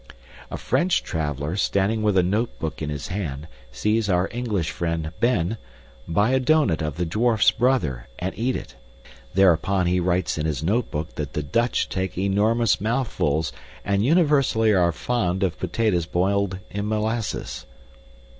A French traveler, standing with a notebook in his hand, sees our English friend, Ben, buy a doughnut of the dwarf's brother and eat it. Thereupon he writes in his notebook that the Dutch take enormous mouthfuls and universally are fond of potatoes boiled in molasses.